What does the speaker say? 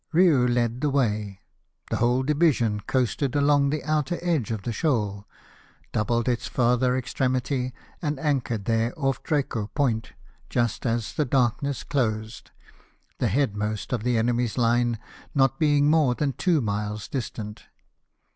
Riou led the way; the whole division coasted along the outer edge of the shoal, doubled its farther extremity, and anchored there off Draco Point, just as the darkness closed — the headmost of the enemy's line not being more than two miles distant.